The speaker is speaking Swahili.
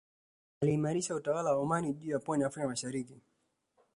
Aliimarisha utawala wa Omani juu ya pwani ya Afrika ya Mashariki